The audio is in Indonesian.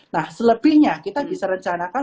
nah selebihnya kita bisa rencanakan